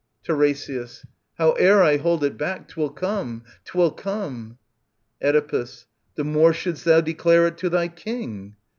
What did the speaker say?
TiRESIAS. Howe'er I hold it back, 'twill come, 'twill come. Oedipus. The more shouldst thou declare it to thy King.